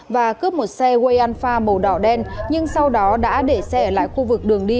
và cướp một xe wayanfa màu đỏ đen nhưng sau đó đã để xe ở lại khu vực đường đi